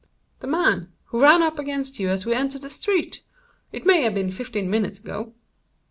"The man who ran up against you as we entered the street—it may have been fifteen minutes ago."